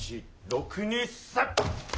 ６２３。